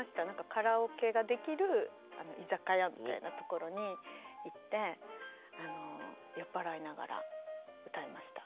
カラオケができる居酒屋みたいなところに行って酔っ払いながら歌いました。